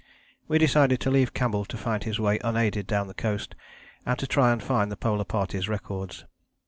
We decided to leave Campbell to find his way unaided down the coast, and to try and find the Polar Party's records.